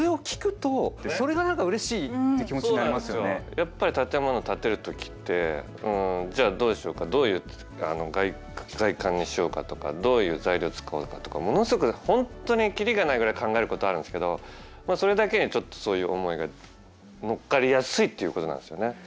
やっぱり建物建てる時ってんじゃあどうしようかどういう外観にしようかとかどういう材料使おうかとかものすごく本当にキリがないぐらい考えることあるんですけどそれだけにちょっとそういう思いが乗っかりやすいっていうことなんですよね。